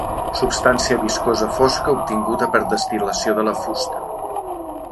Substància viscosa fosca obtinguda per destil·lació de la fusta.